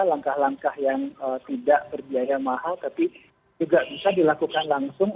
langkah langkah yang tidak berbiaya mahal tapi juga bisa dilakukan langsung